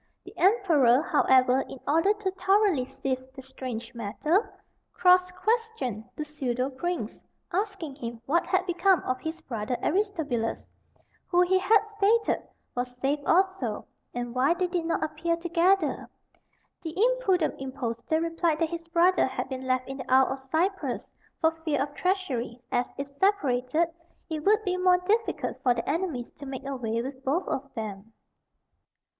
The emperor, however, in order to thoroughly sift the strange matter, cross questioned the pseudo prince, asking him what had become of his brother Aristobulus, who, he had stated, was saved also, and why they did not appear together. The impudent impostor replied that his brother had been left in the Isle of Cyprus, for fear of treachery, as, if separated, it would be more difficult for their enemies to make away with both of them.